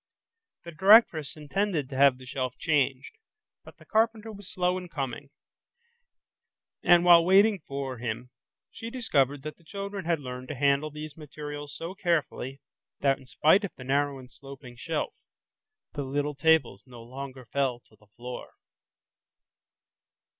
The directress intended to have the shelf changed, but the carpenter was slow in coming, and while waiting for him she discovered that the children had learned to handle these materials so carefully that in spite of the narrow and sloping shelf, the little tables no longer fell to the floor.